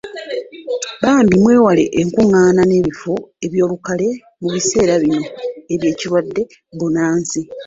Bambi mwewale enkungaana n'ebifo by'olukale mu biseera bino eby'ekirwadde bbunansi.